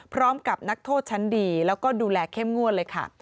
พร้อมกับนักโทษชั้นดีแล้วก็ดูแลเข้มงวดเลยค่ะ